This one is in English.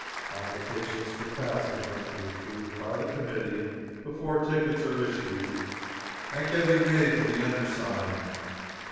Applications for passage must be approved by the committee before tickets are issued, and can be made to the undersigned.